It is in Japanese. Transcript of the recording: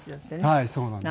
はいそうなんです。